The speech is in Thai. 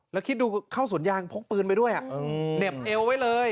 แล้วคิดดูเข้าสวนยางพกปืนไปด้วยเหน็บเอวไว้เลย